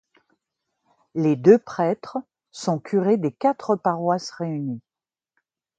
Les deux prêtres sont curés des quatre paroisses réunies.